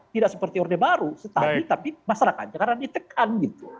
tidak seperti orde baru stabil tapi masyarakatnya kadang ditekan